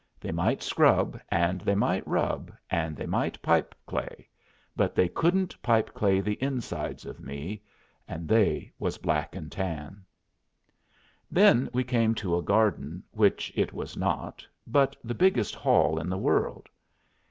They might scrub, and they might rub, and they might pipe clay, but they couldn't pipe clay the insides of me, and they was black and tan. Then we came to a garden, which it was not, but the biggest hall in the world.